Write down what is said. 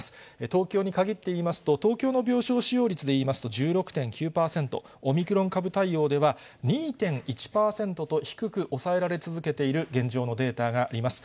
東京に限って言いますと、東京の病床使用率でいいますと、１６．９％、オミクロン株対応では２．１％と低く抑えられ続けている現状のデータがあります。